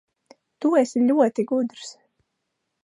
Tu esi ļoti gudrs.